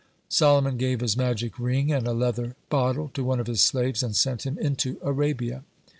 Solomon gave his magic ring and a leather bottle to one of his slaves, and sent him into Arabia.